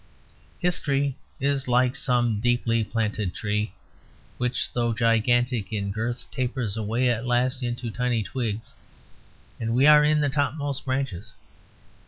History is like some deeply planted tree which, though gigantic in girth, tapers away at last into tiny twigs; and we are in the topmost branches.